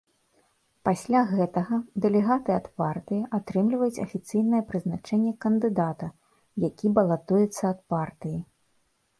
Пасля гэтага дэлегаты ад партыі атрымліваюць афіцыйнае прызначэнне кандыдата, які балатуецца ад партыі.